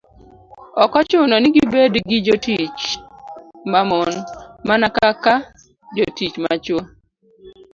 Ok ochuno ni gibed gi jotich ma mon, mana kaka jotich ma chwo.